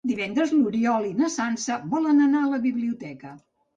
Divendres n'Oriol i na Sança volen anar a la biblioteca.